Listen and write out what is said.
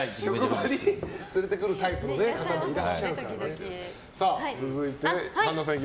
職場に連れてくるタイプの方もいらっしゃるからね。